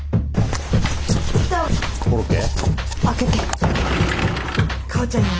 コロッケ？